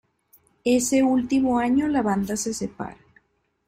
Ese último año la banda se separa.